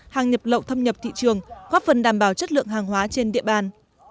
hàng nhập lậu thâm nhập thị trường góp phần đảm bảo chất lượng hàng hóa trên địa bàn